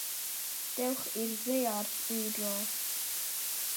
Dewch i'r Ddaear rhywdro.